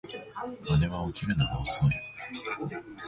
姉は起きるのが遅い